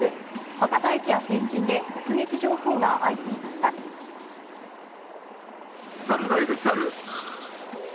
博多駅や天神で目撃情報が相次ぎ猿がいる、猿。